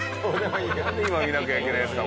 今見なきゃいけないんですか？